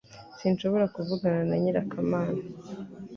Sinshobora kuvugana na nyirakamana